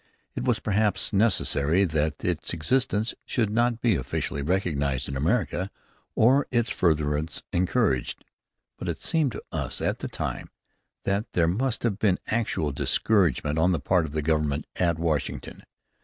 It was perhaps necessary that its existence should not be officially recognized in America, or its furtherance encouraged. But it seemed to us at that time, that there must have been actual discouragement on the part of the Government at Washington.